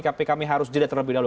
tapi kami harus jeda terlebih dahulu